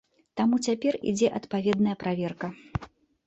Таму цяпер ідзе адпаведная праверка.